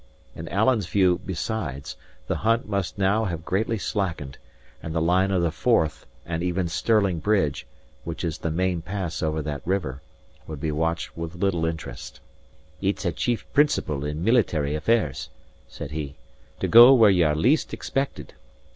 In Alan's view, besides, the hunt must have now greatly slackened; and the line of the Forth and even Stirling Bridge, which is the main pass over that river, would be watched with little interest. "It's a chief principle in military affairs," said he, "to go where ye are least expected.